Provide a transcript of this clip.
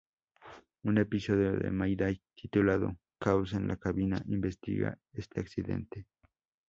Un episodio de Mayday titulado "Caos en la cabina" investiga este accidente.